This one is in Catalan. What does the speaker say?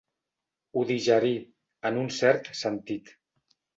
Ho digerí, en un cert sentit.